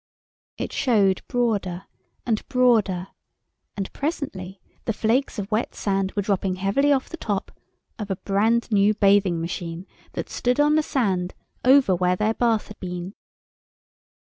It showed broader and broader, and presently the flakes of wet sand were dropping heavily off the top of a brand new bathing machine that stood on the sand over where their bath had been.